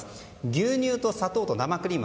牛乳と、砂糖と、生クリーム。